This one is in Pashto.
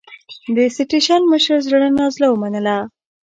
د سټېشن مشر زړه نازړه ومنله.